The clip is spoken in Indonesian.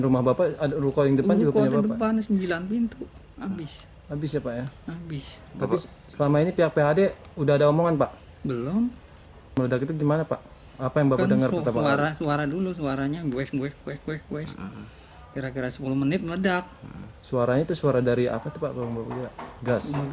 mungkin ini ya tabung